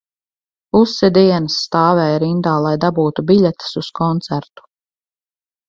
Pusi dienas stāvēja rindā, lai dabūtu biļetes uz koncertu